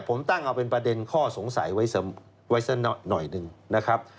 ผมตั้งเอาเป็นประเด็นข้อสงสัยไว้สักหน่อยหนึ่งนะครับ